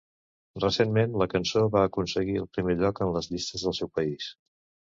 Recentment la cançó va aconseguir el primer lloc en les llistes del seu país.